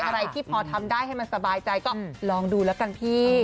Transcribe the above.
อะไรที่พอทำได้ให้มันสบายใจก็ลองดูแล้วกันพี่